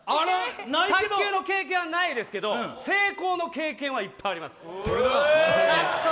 卓球の経験はないですけど成功の経験はいっぱいあります。